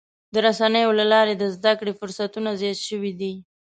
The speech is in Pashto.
د رسنیو له لارې د زدهکړې فرصتونه زیات شوي دي.